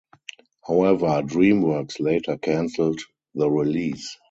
However, Dreamworks later canceled the release.